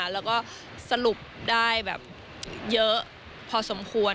แล้วก็สรุปได้แบบเยอะพอสมควร